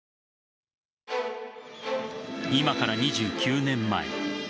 今から２９年前。